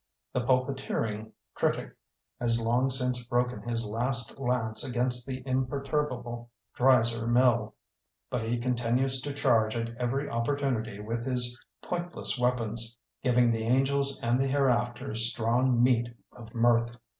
The pulpiteering critic has long since broken his last lance against the imperturbable Dreiser mill. But he continues to charge at every opportunity with his pointless weapons, giving the angels and the hereafter strong meat of mirth.